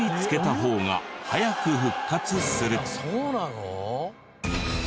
そうなの？